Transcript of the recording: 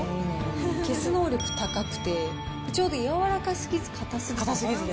消す能力高くて、ちょうど柔らかすぎず、硬すぎずで。